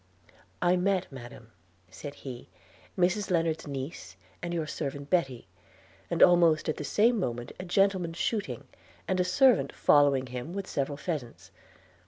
'I met, madam,' said he, 'Mrs Lennard's niece and your servant Betty, and almost at the same moment a gentleman shooting, and a servant following him with several pheasants.